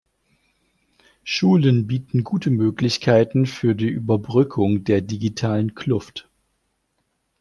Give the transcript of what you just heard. Schulen bieten gute Möglichkeiten für die Überbrückung der digitalen Kluft.